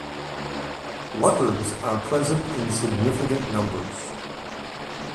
Leopards are present in significant numbers.